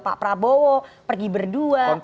pak prabowo pergi berdua